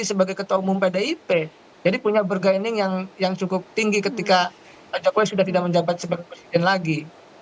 sebagai ketua umum pdip jadi punya bergaining yang cukup tinggi ketika jokowi sudah tidak menjabat sebagai presiden lagi